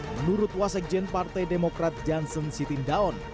menurut wasekjen partai demokrat johnson siti ndaon